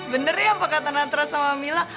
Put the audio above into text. bener ya pakatan natra sama mila